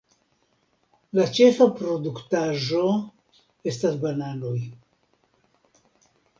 La ĉefa produktaĵo estas bananoj.